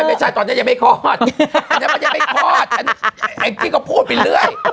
ไม่ใช่ตอนนี้ยังไม่คลอดไอ้พี่ก็พูดไปเลย